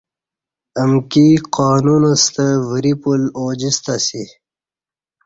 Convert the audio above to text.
امکی قانون ستہ وری پُل اوجِستہ اسی